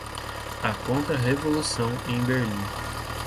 A Contra-Revolução em Berlim